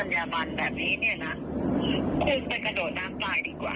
คุณไปกระโดดด้านใต้ดีกว่า